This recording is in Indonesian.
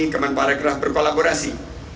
keman parekraf berkolaborasi